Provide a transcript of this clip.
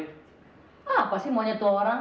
kasian pak armin dong nganggur nanti